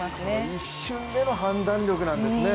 一瞬での判断力なんですね。